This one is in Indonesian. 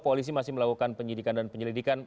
polisi masih melakukan penyidikan dan penyelidikan